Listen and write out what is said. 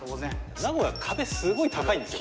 名古屋壁すごい高いんですよ